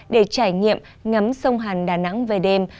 để trải nghiệm ngấm sông hàn đà nẵng về đêm